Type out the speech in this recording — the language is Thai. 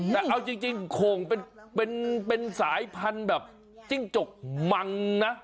แต่เอาจริงโข่งเป็นสายพันธุ์แบบจิ้งจกมังนะ